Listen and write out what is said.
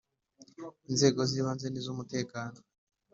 Inzego z ibanze n iz’ umutekano.